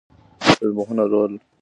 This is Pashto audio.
ټولنپوهنه لرو.